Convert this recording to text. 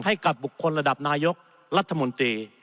ให้กับบุคคลระดับนายกรัฐมนตรี